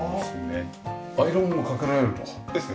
アイロンもかけられるな。ですね